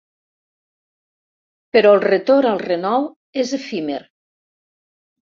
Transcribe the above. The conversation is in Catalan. Però el retorn al renou és efímer.